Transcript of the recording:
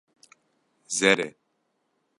Zer e.